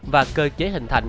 và cơ chế hình thành